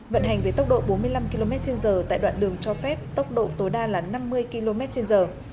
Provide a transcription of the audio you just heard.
vận hành với tốc độ bốn mươi năm km trên giờ tại đoạn đường cho phép tốc độ tối đa là năm mươi km trên giờ